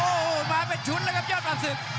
โอ้โหมาเป็นชุดเลยครับยอดปากศึก